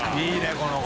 この子。